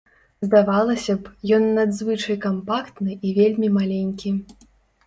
Здавалася б, ён надзвычай кампактны і вельмі маленькі.